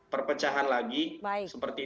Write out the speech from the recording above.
perpecahan lagi seperti